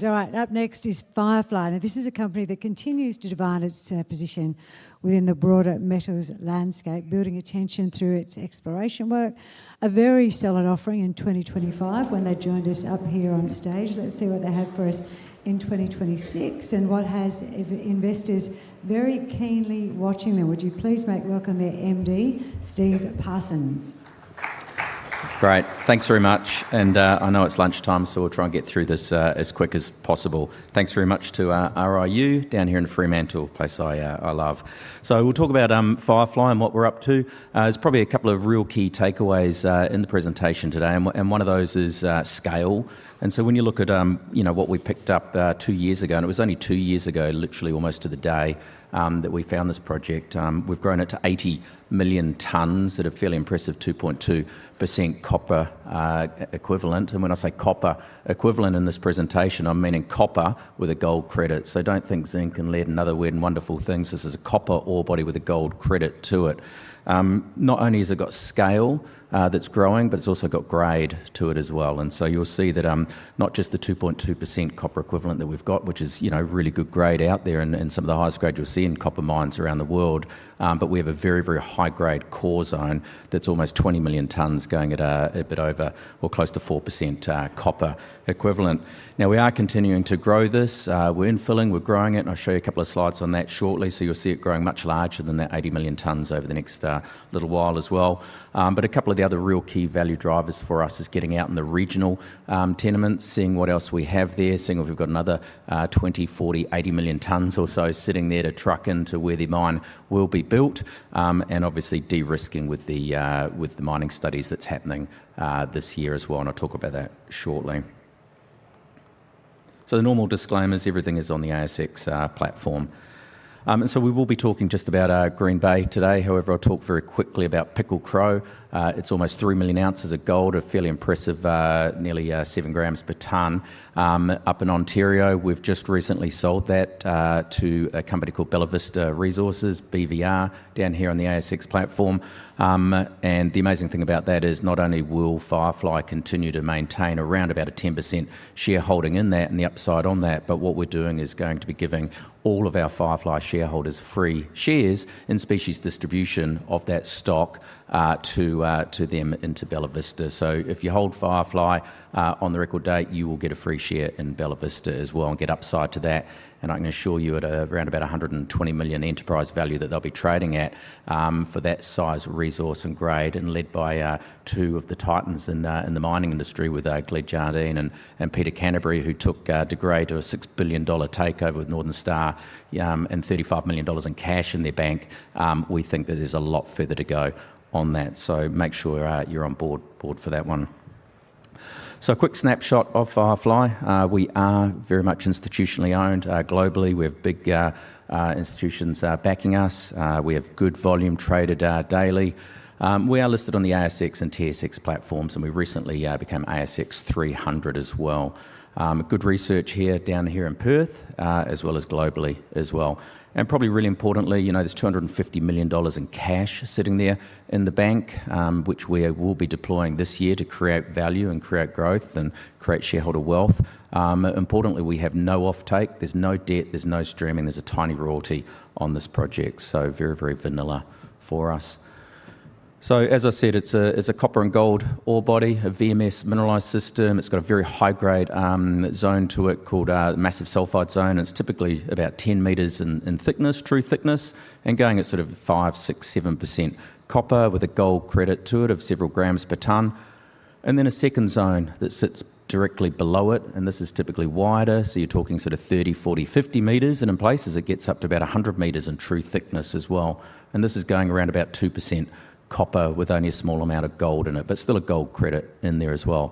Right, up next is FireFly. Now, this is a company that continues to divide its position within the broader metals landscape, building attention through its exploration work. A very solid offering in 2025 when they joined us up here on stage. Let's see what they have for us in 2026, and what has investors very keenly watching them. Would you please make welcome their MD, Steve Parsons? Great. Thanks very much, and, I know it's lunchtime, so we'll try and get through this, as quick as possible. Thanks very much to, RIU down here in Fremantle, a place I, I love. So we'll talk about, FireFly and what we're up to. There's probably a couple of real key takeaways, in the presentation today, and one of those is, scale. And so when you look at, you know, what we picked up, two years ago, and it was only two years ago, literally almost to the day, that we found this project, we've grown it to 80 million tonnes at a fairly impressive 2.2% copper equivalent. And when I say copper equivalent in this presentation, I'm meaning copper with a gold credit. So don't think zinc and lead and other weird and wonderful things. This is a copper ore body with a gold credit to it. Not only has it got scale, that's growing, but it's also got grade to it as well. And so you'll see that, not just the 2.2% copper equivalent that we've got, which is, you know, really good grade out there and, and some of the highest grade you'll see in copper mines around the world, but we have a very, very high-grade core zone that's almost 20 million tonnes going at a, a bit over or close to 4%, copper equivalent. Now, we are continuing to grow this. We're infilling, we're growing it, and I'll show you a couple of slides on that shortly, so you'll see it growing much larger than that 80 million tonnes over the next little while as well. But a couple of the other real key value drivers for us is getting out in the regional tenements, seeing what else we have there, seeing if we've got another 20, 40, 80 million tonnes or so sitting there to truck into where the mine will be built, and obviously de-risking with the mining studies that's happening this year as well, and I'll talk about that shortly. So the normal disclaimers, everything is on the ASX platform. And so we will be talking just about Green Bay today. However, I'll talk very quickly about Pickle Crow. It's almost 3 million ounces of gold, a fairly impressive nearly 7 grams per tonne. Up in Ontario, we've just recently sold that to a company called Bellavista Resources, BVR, down here on the ASX platform. And the amazing thing about that is not only will FireFly continue to maintain around about a 10% shareholding in that and the upside on that, but what we're doing is going to be giving all of our FireFly shareholders free shares in specie distribution of that stock to them into Bellavista. So if you hold FireFly on the record date, you will get a free share in Bellavista as well and get upside to that. I can assure you at around about 120 million enterprise value that they'll be trading at, for that size of resource and grade, and led by two of the titans in the mining industry with Glenn Jardine and Peter Canterbury, who took De Grey to a 6 billion dollar takeover with Northern Star, and 35 million dollars in cash in their bank. We think that there's a lot further to go on that, so make sure you're on board for that one. A quick snapshot of FireFly. We are very much institutionally owned, globally. We have big institutions backing us. We have good volume traded, daily. We are listed on the ASX and TSX platforms, and we recently became ASX 300 as well. Good research here, down here in Perth, as well as globally as well. Probably really importantly, you know, there's 250 million dollars in cash sitting there in the bank, which we will be deploying this year to create value and create growth and create shareholder wealth. Importantly, we have no offtake, there's no debt, there's no streaming, there's a tiny royalty on this project, so very, very vanilla for us. So, as I said, it's a copper and gold ore body, a VMS mineralised system. It's got a very high-grade zone to it called massive sulphide zone. It's typically about 10 meters in thickness, true thickness, and going at sort of 5%-7% copper with a gold credit to it of several grams per tonne. Then a second zone that sits directly below it, and this is typically wider, so you're talking sort of 30, 40, 50 meters, and in places it gets up to about 100 meters in true thickness as well. And this is going around about 2% copper with only a small amount of gold in it, but still a gold credit in there as well.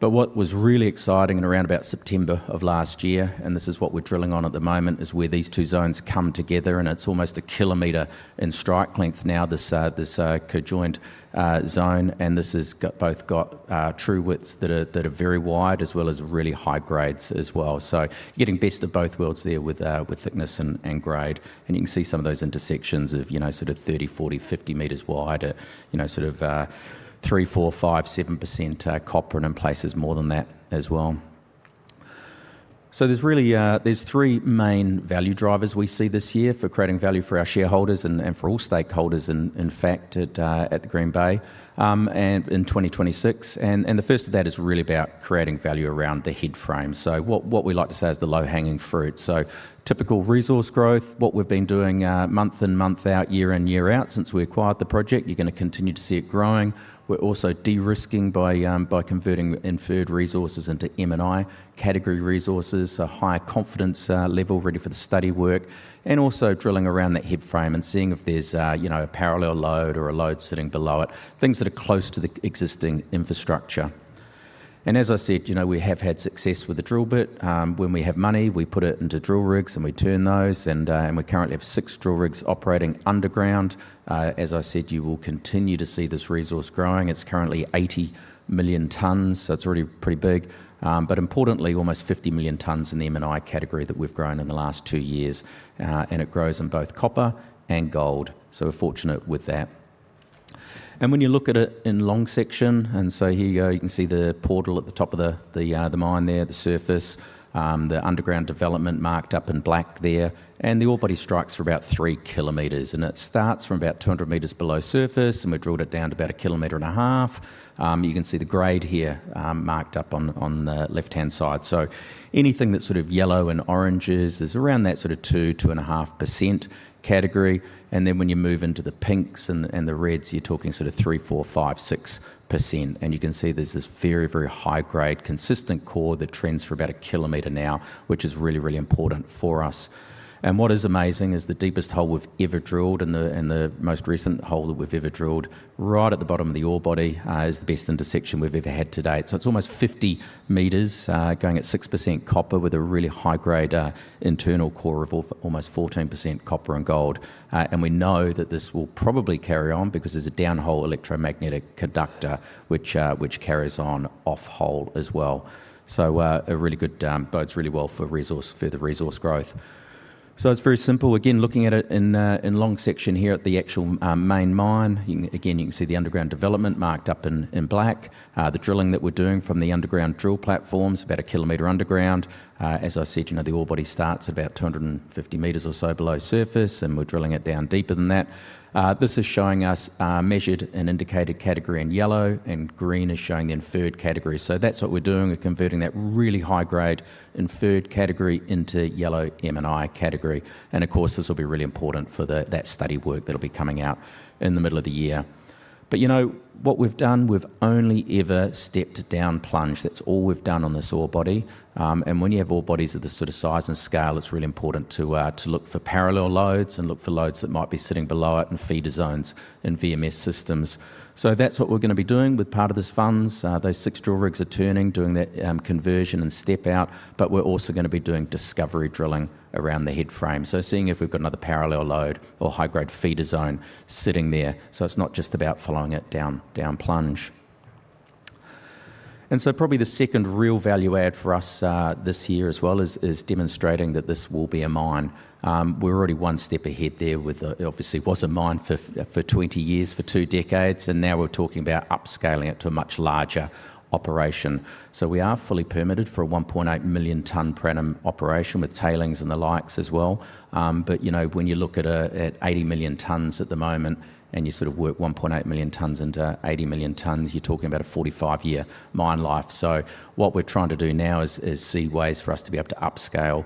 But what was really exciting in around about September of last year, and this is what we're drilling on at the moment, is where these two zones come together, and it's almost 1 km in strike length now, this conjoined zone, and this has got both true widths that are very wide, as well as really high grades as well. So you're getting best of both worlds there with thickness and grade. And you can see some of those intersections of, you know, sort of 30, 40, 50 meters wide, you know, sort of, 3, 4, 5, 7% copper, and in places more than that as well. So there's really three main value drivers we see this year for creating value for our shareholders and, and for all stakeholders in, in fact, at, at the Green Bay, and in 2026. And, and the first of that is really about creating value around the headframe. So what, what we like to say is the low-hanging fruit. So typical resource growth, what we've been doing, month in, month out, year in, year out since we acquired the project, you're gonna continue to see it growing. We're also de-risking by, by converting Inferred resources into M&I category resources, a higher confidence level ready for the study work, and also drilling around that headframe and seeing if there's, you know, a parallel load or a load sitting below it, things that are close to the existing infrastructure. And as I said, you know, we have had success with the drill bit. When we have money, we put it into drill rigs, and we turn those, and we currently have 6 drill rigs operating underground. As I said, you will continue to see this resource growing. It's currently 80 million tonnes, so it's already pretty big, but importantly, almost 50 million tonnes in the M&I category that we've grown in the last 2 years, and it grows in both copper and gold, so we're fortunate with that. When you look at it in long section, and so here you go, you can see the portal at the top of the mine there, the surface, the underground development marked up in black there, and the ore body strikes for about 3 km. It starts from about 200 m below surface, and we drilled it down to about 1.5 km. You can see the grade here, marked up on the left-hand side. So anything that's sort of yellow and oranges is around that sort of 2-2.5% category, and then when you move into the pinks and the reds, you're talking sort of 3%-6%. You can see there's this very, very high-grade, consistent core that trends for about a kilometer now, which is really, really important for us. What is amazing is the deepest hole we've ever drilled, and the most recent hole that we've ever drilled, right at the bottom of the ore body, is the best intersection we've ever had to date. So it's almost 50 meters going at 6% copper with a really high-grade internal core of almost 14% copper and gold. And we know that this will probably carry on because there's a down-hole electromagnetic conductor, which carries on off-hole as well. So a really good bodes really well for resource, further resource growth. So it's very simple. Again, looking at it in long section here at the actual main mine, you can, again, you can see the underground development marked up in black. The drilling that we're doing from the underground drill platform's about 1 kilometer underground. As I said, you know, the ore body starts about 250 meters or so below surface, and we're drilling it down deeper than that. This is showing us Measured and Indicated category in yellow, and green is showing Inferred category. So that's what we're doing. We're converting that really high grade Inferred category into yellow M&I category. And of course, this will be really important for the, that study work that'll be coming out in the middle of the year. But, you know, what we've done, we've only ever stepped down plunge. That's all we've done on this ore body. When you have ore bodies of this sort of size and scale, it's really important to look for parallel lodes and look for lodes that might be sitting below it and feeder zones and VMS systems. So that's what we're gonna be doing with part of these funds. Those 6 drill rigs are turning, doing that, conversion and step out, but we're also gonna be doing discovery drilling around the headframe. So seeing if we've got another parallel lode or high-grade feeder zone sitting there, so it's not just about following it down, down plunge. So probably the second real value add for us this year as well is demonstrating that this will be a mine. We're already one step ahead there with obviously, it was a mine for 20 years, for two decades, and now we're talking about upscaling it to a much larger operation. So we are fully permitted for a 1.8 million tonne per annum operation, with tailings and the likes as well. But, you know, when you look at 80 million tonnes at the moment and you sort of work 1.8 million tonnes into 80 million tonnes, you're talking about a 45-year mine life. So what we're trying to do now is see ways for us to be able to upscale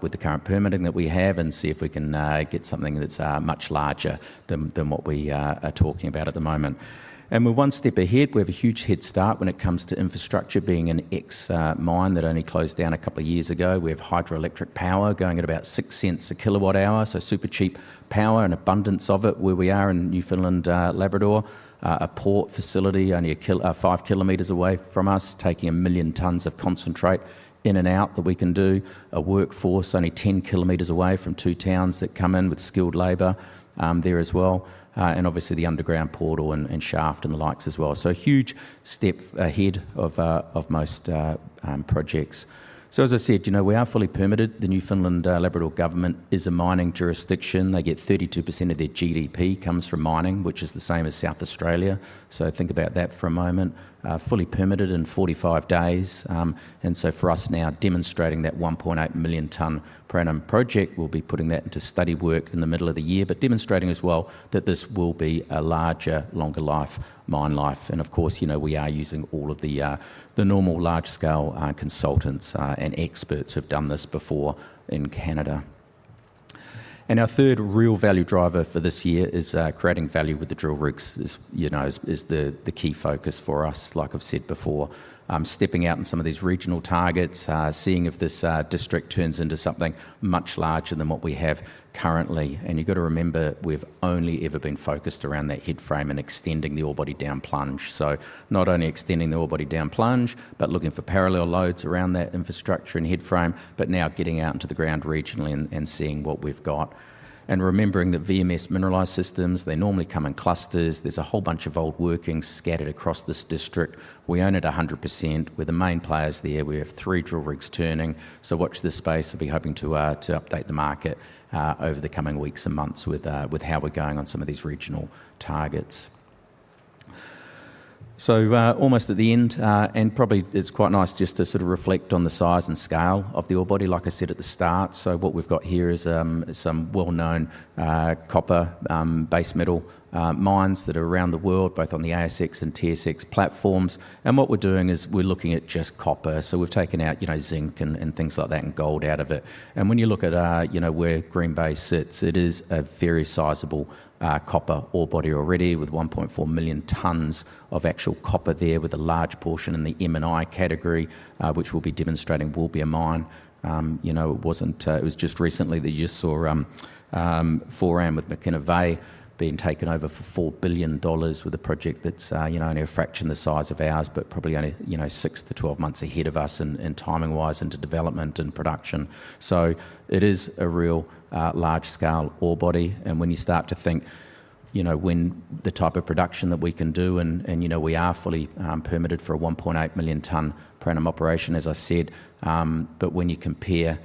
with the current permitting that we have and see if we can get something that's much larger than what we are talking about at the moment. We're one step ahead. We have a huge head start when it comes to infrastructure. Being an ex-mine that only closed down a couple of years ago, we have hydroelectric power going at about 0.06/kWh, so super cheap power and abundance of it where we are in Newfoundland and Labrador. A port facility only five kilometers away from us, taking 1 million tonnes of concentrate in and out that we can do. A workforce only 10 kilometers away from two towns that come in with skilled labor, there as well, and obviously, the underground portal and shaft and the likes as well. So a huge step ahead of most projects. So as I said, you know, we are fully permitted. The Newfoundland and Labrador government is a mining jurisdiction. They get 32% of their GDP comes from mining, which is the same as South Australia, so think about that for a moment. Fully permitted in 45 days. And so for us now, demonstrating that 1.8 million tonne per annum project, we'll be putting that into study work in the middle of the year, but demonstrating as well that this will be a larger, longer life, mine life. Of course, you know, we are using all of the, the normal large-scale, consultants, and experts who've done this before in Canada. Our third real value driver for this year is creating value with the drill rigs, you know, is the key focus for us, like I've said before. Stepping out in some of these regional targets, seeing if this district turns into something much larger than what we have currently. And you've got to remember, we've only ever been focused around that headframe and extending the ore body down plunge. So not only extending the ore body down plunge, but looking for parallel lodes around that infrastructure and headframe, but now getting out into the ground regionally and seeing what we've got. And remembering that VMS mineralised systems, they normally come in clusters. There's a whole bunch of old workings scattered across this district. We own it 100%. We're the main players there. We have three drill rigs turning, so watch this space. We'll be hoping to update the market over the coming weeks and months with how we're going on some of these regional targets. So, almost at the end, and probably it's quite nice just to sort of reflect on the size and scale of the ore body, like I said at the start. So what we've got here is some well-known copper base metal mines that are around the world, both on the ASX and TSX platforms. What we're doing is we're looking at just copper, so we've taken out, you know, zinc and things like that, and gold out of it. When you look at, you know, where Green Bay sits, it is a very sizable copper ore body already, with 1.4 million tonnes of actual copper there, with a large portion in the M&I category, which we'll be demonstrating will be a mine. You know, it wasn't... It was just recently that you just saw Foran with McIlvenna Bay being taken over for $4 billion with a project that's, you know, only a fraction the size of ours, but probably only, you know, 6-12 months ahead of us in timing-wise into development and production. So it is a real large-scale ore body. And when you start to think, you know, when the type of production that we can do, and, you know, we are fully permitted for a 1.8 million ton per annum operation, as I said. But when you compare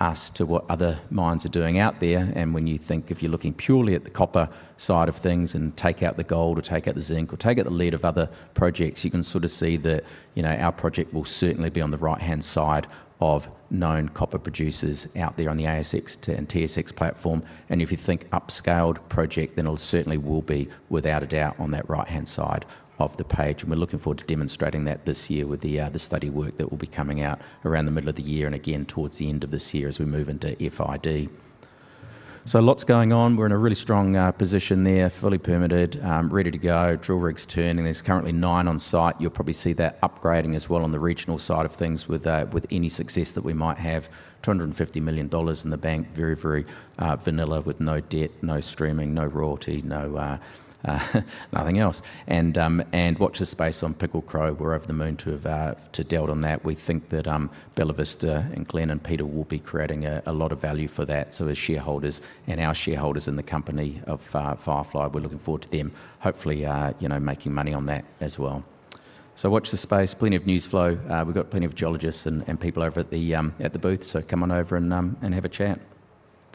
us to what other mines are doing out there, and when you think if you're looking purely at the copper side of things and take out the gold, or take out the zinc, or take out the lead of other projects, you can sort of see that, you know, our project will certainly be on the right-hand side of known copper producers out there on the ASX and TSX platform. And if you think upscaled project, then it certainly will be, without a doubt, on that right-hand side of the page. And we're looking forward to demonstrating that this year with the study work that will be coming out around the middle of the year, and again, towards the end of this year as we move into FID. So lots going on. We're in a really strong position there, fully permitted, ready to go, drill rigs turning. There's currently nine on site. You'll probably see that upgrading as well on the regional side of things with any success that we might have. 250 million dollars in the bank. Very, very vanilla, with no debt, no streaming, no royalty, no nothing else. And watch this space on Pickle Crow. We're over the moon to have to dealt on that. We think that Bellavista and Glenn and Peter will be creating a lot of value for that. So as shareholders and our shareholders in the company of FireFly, we're looking forward to them hopefully you know making money on that as well. So watch this space. Plenty of news flow. We've got plenty of geologists and people over at the booth, so come on over and have a chat.